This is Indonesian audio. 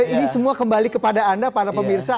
ini semua kembali kepada anda para pemirsa